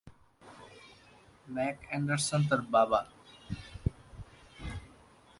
Mac Anderson তার বাবা।